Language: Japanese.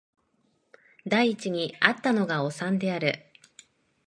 第一に逢ったのがおさんである